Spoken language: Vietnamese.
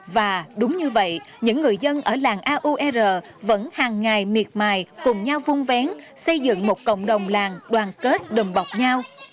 và đúng như vậy những người dân ở làng a u e r vẫn hàng ngày miệt mài cùng nhau vung vén xây dựng một cộng đồng làng đoàn kết đùm bọc nhau